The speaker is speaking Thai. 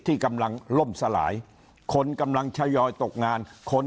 ที่กำลังล่มสลายคนกำลังทยอยตกงานคน